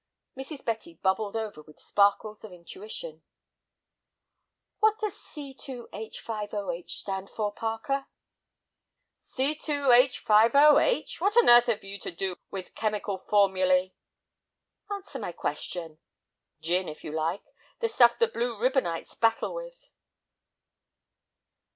Mrs. Betty bubbled over with sparkles of intuition. "What does C2H5OH stand for, Parker?" "C2H5OH! What on earth have you to do with chemical formulæ?" "Answer my question." "Gin, if you like; the stuff the blue ribbonites battle with."